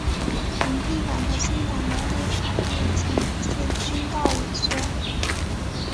民进党和新党的立法院席次均告萎缩。